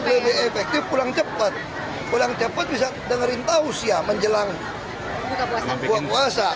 lebih efektif pulang cepat pulang cepat bisa dengerin tausia menjelang buka puasa